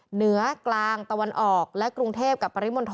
เหนือกลางตะวันออกและกรุงเทพกับปริมณฑล